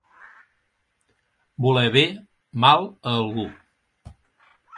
Voler bé, mal, a algú.